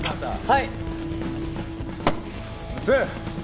はい。